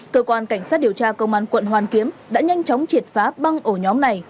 cơ quan cảnh sát điều tra công an quận hoàn kiếm đã nhanh chóng triệt phá băng ổ nhóm này